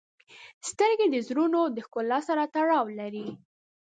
• سترګې د زړونو د ښکلا سره تړاو لري.